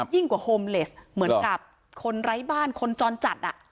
ยิ่งกว่าโฮมเลสเหมือนกับคนไร้บ้านคนจรจัด